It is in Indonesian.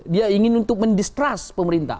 dia ingin untuk mendistrust pemerintah